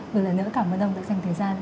một lần nữa cảm ơn ông đã dành thời gian